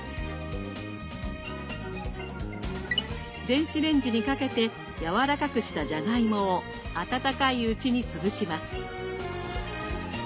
電子レンジにかけてやわらかくしたじゃがいもを温かいうちに潰します。